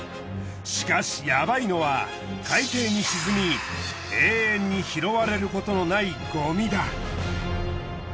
しかしヤバいのは海底に沈み永遠に拾われることのないごみだ。